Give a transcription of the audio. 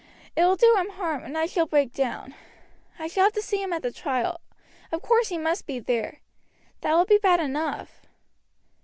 It will do him harm and I shall break down. I shall have to see him at the trial of course he must be there that will be bad enough."